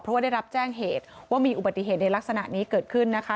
เพราะว่าได้รับแจ้งเหตุว่ามีอุบัติเหตุในลักษณะนี้เกิดขึ้นนะคะ